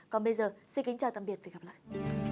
còn bây giờ xin kính chào tạm biệt và hẹn gặp lại